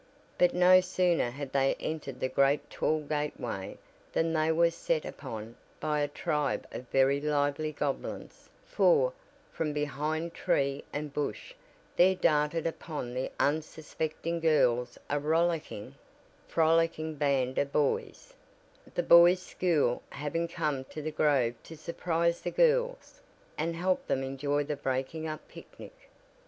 But no sooner had they entered the great tall gateway than they were set upon by a tribe of very lively goblins, for, from behind tree and bush there darted upon the unsuspecting girls a rollicking, frolicking band of boys the boys' school having come to the grove to surprise the girls, and help them enjoy the breaking up picnic.